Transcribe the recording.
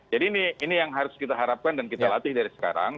jadi ini yang harus kita harapkan dan kita latih dari sekarang